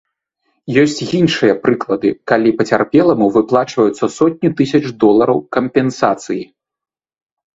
Ёсць іншыя прыклады, калі пацярпеламу выплачваюцца сотні тысяч долараў кампенсацыі.